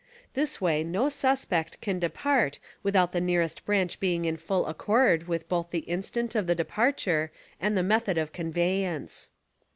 This way no suspect can depart without the nearest branch being in full accord with both the instant of the departure and the method of conveyance.